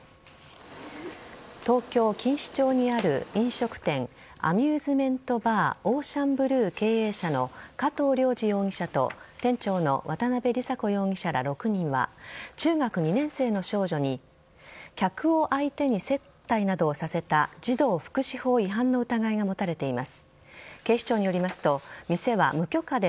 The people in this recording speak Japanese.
東京・錦糸町にある飲食店アミューズメントバーオーシャンブルー経営者の加藤亮二容疑者と店長の渡邊理沙子容疑者ら６人は中学２年生の少女に客を相手に接待などをさせた児童福祉法違反の疑いが持たれています。